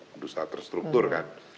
dulu saat terstruktur kan